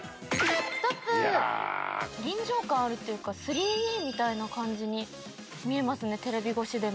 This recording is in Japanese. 臨場感あるというか、３Ｄみたいな感じに見えますね、テレビ越しでも。